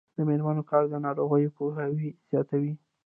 د میرمنو کار د ناروغیو پوهاوی زیاتوي.